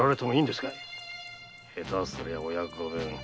下手すりゃお役御免。